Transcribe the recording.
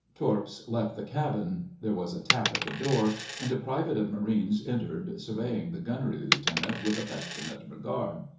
Torps left the cabin; there was a tap at the door and a private of Marines entered, surveying the Gunnery Lieutenant with affectionate regard.